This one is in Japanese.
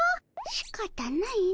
しかたないの。